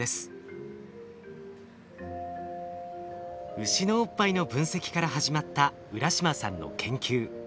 ウシのおっぱいの分析から始まった浦島さんの研究。